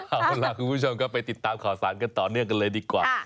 เอาล่ะคุณผู้ชมก็ไปติดตามข่าวสารกันต่อเนื่องกันเลยดีกว่า